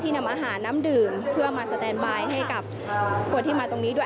นำอาหารน้ำดื่มเพื่อมาสแตนบายให้กับคนที่มาตรงนี้ด้วย